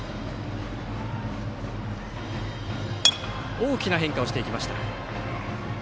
大きな変化をしていきました。